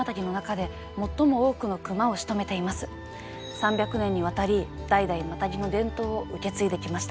３００年にわたり代々マタギの伝統を受け継いできました。